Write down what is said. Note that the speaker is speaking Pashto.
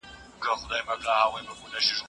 هندوکش د تاريخ شاهد دی.